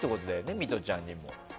ミトちゃんにも。